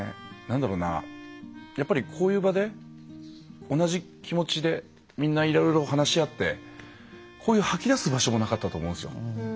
なんだろうなやっぱりこういう場で同じ気持ちでみんないろいろ話し合ってこういう吐き出す場所もなかったと思うんですよ